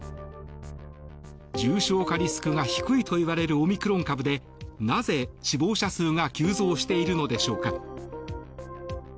重症化リスクが低いといわれるオミクロン株でなぜ死亡者数が急増しているのでしょうか。